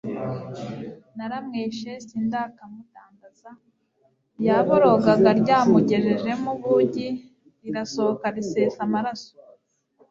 naramwishe sindakamudandaza, yaborogaga ryamugejejemo ubugi rirasohoka risesa amaraso,